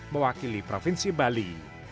mewakili provinsi bali